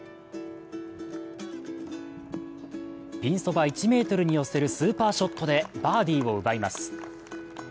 ピンそば１ｍに寄せるスーパーショットでバーディーを奪います。